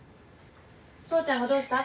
総ちゃんがどうした？